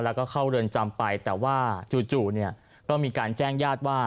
แล้วก็เข้าเรือนจำไปแต่ว่าจู่เนี่ยก็มีการแจ้งญาติว่า